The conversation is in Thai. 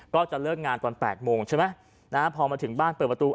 ก็จะเลิกงานตอน๘โมงใช่ไหมนะฮะพอมาถึงบ้านเปิดประตู